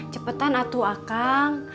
cepetan atuh akang